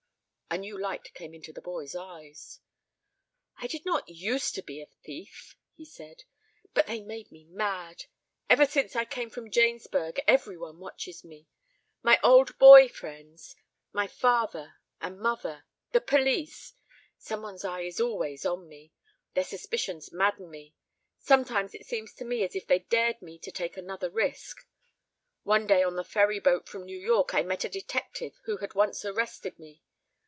A new light came into the boy's eyes. "I did not used to be a thief," he said, "but they made me mad. Ever since I came from Jamesburg every one watches me. My old boy friends, my father and mother, the police; someone's eye is always on me. Their suspicions madden me. Sometimes it seems to me as if they dared me to take another risk. One day on the ferryboat from New York I met a detective who had once arrested me.